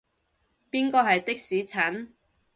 邊個係的士陳？